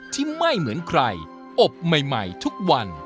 ที่ไม่เหมือนใครอบใหม่ทุกวัน